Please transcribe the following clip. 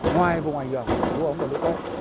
ngoài vùng ảnh hưởng của lũ ống và lũ quét